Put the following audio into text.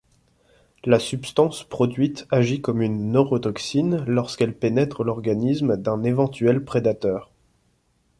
La substance produite agit comme une neurotoxine lorsqu'elle pénètre l'organisme d'un éventuel prédateur.